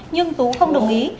nhưng tú không đồng ý